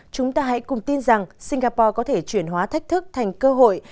chúng ta hãy cùng tin rằng singapore có thể chuyển hóa thách thức thành cơ hội